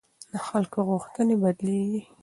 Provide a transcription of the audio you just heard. د خلکو غوښتنې بدلېږي